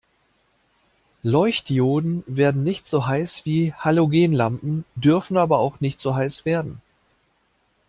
Leuchtdioden werden nicht so heiß wie Halogenlampen, dürfen aber auch nicht so heiß werden.